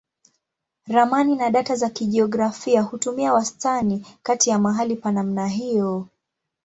Ramani na data za kijiografia hutumia wastani kati ya mahali pa namna hiyo.